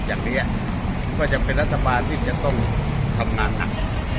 อย่างนี้ก็จะเป็นรัฐบาลที่จะต้องทำงานหนัก